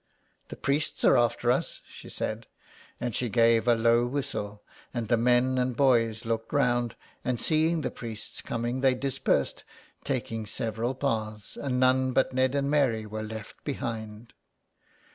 '' The priests are after us," she said. And she gave a low whistle, and the men and boys looked round, and seeing the priests coming, they dispersed, taking several paths, and none but Ned and Mary were left behind.